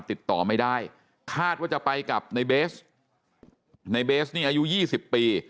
ติดต่อไม่ได้คาดว่าจะไปกับในเบสในเบสนี่อายุ๒๐ปี